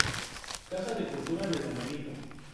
Casa de Cultura de Don Benito.